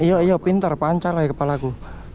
ayo pinter pancar ya kepalaku